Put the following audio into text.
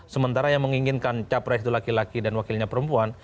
sementara yang menginginkan capres itu laki laki dan wakilnya perempuan